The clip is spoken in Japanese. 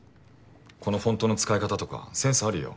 このフォントの使い方とかセンスあるよ。